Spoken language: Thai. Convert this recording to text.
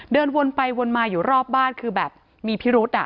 เดินวนไปวนมาอยู่รอบบ้านคือแบบมีพิรุษ